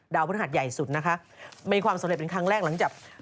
พฤหัสใหญ่สุดนะคะมีความสำเร็จเป็นครั้งแรกหลังจาก